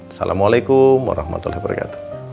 assalamualaikum warahmatullahi wabarakatuh